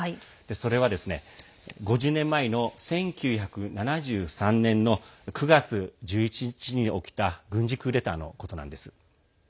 それは５０年前の１９７３年の９月１１日に起きた軍事クーデターのことなんです。